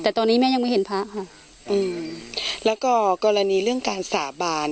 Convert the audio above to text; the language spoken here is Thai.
แต่ตอนนี้แม่ยังไม่เห็นพระค่ะอืมแล้วก็กรณีเรื่องการสาบาน